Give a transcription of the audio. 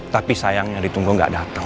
tapi sayangnya ditunggu gak datang